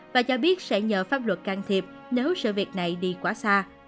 và cho biết sẽ nhờ pháp luật can thiệp nếu sự việc này đi quá xa